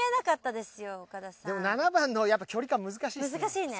でも７番のやっぱ距離感難しいっすね。